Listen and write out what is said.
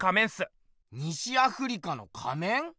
西アフリカの仮面？